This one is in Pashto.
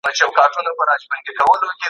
سوله او ارامي د مطالعې د پرمختګ شرایط برابروي.